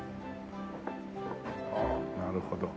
ああなるほど。